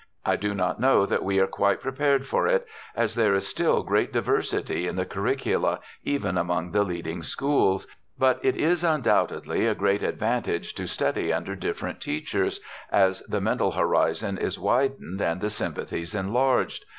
I do not know that we are quite prepared for it, as there is still great diversity in the curricula, even among the leading schools, but it is undoubtedly a great advantage to study under different teachers, as the mental horizon is widened and the sympathies enlarged.